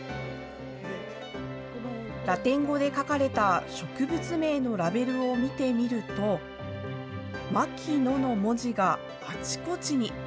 ラテン語で書かれた植物名のラベルを見てみると、Ｍａｋｉｎｏの文字があちこちに。